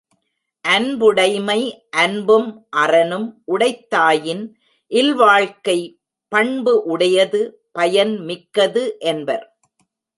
அன்புடைமை அன்பும் அறனும் உடைத்தாயின் இல்வாழ்க்கை பண்பு உடையது பயன்மிக்கது என்பர்.